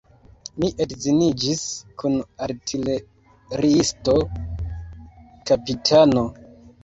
Mi edziniĝis kun artileriisto, kapitano.